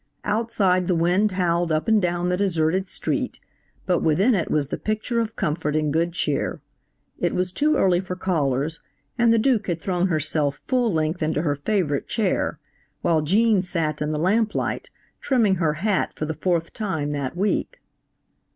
Outside the wind howled up and down the deserted street, but within it was the picture of comfort and good cheer. It was too early for callers, and the Duke had thrown herself full length into her favorite chair, while Gene sat in the lamplight trimming her hat for the fourth time that week.